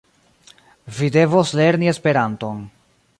Vi devos lerni Esperanton.